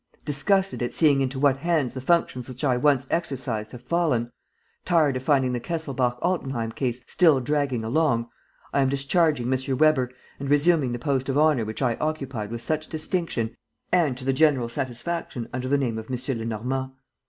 Disgusted at seeing into what hands the functions which I once exercised have fallen, tired of finding the Kesselbach Altenheim case still dragging along, I am discharging M. Weber and resuming the post of honor which I occupied with such distinction and to the general satisfaction under the name of M. Lenormand.